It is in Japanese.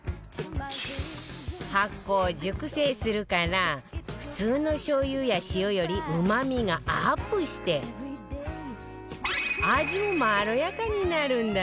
発酵熟成するから普通のしょう油や塩よりうまみがアップして味もまろやかになるんだって